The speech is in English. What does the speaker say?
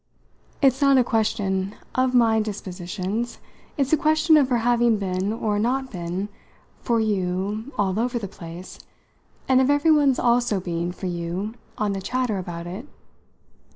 "It's not a question of my dispositions. It's a question of her having been, or not been, for you 'all over the place,' and of everyone's also being, for you, on the chatter about it.